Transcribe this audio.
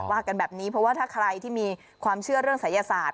ว่ากันแบบนี้เพราะว่าถ้าใครที่มีความเชื่อเรื่องศัยศาสต